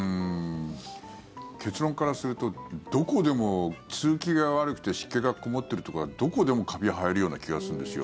結論からするとどこでも通気が悪くて湿気がこもっているところはどこでもカビ生えるような気がするんですよ。